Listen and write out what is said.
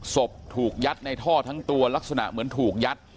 ศพถูกยัดในท่อทั้งตัวลักษณะเหมือนถูกยัด